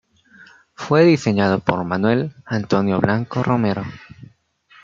Fue diseñado por Manuel Antonio Blanco Romero.